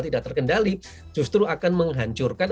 tidak terkendali justru akan menghancurkan